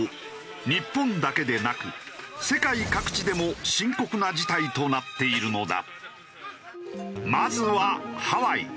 日本だけでなく世界各地でも深刻な事態となっているのだ。